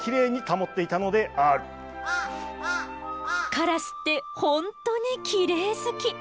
カラスって本当にキレイ好き！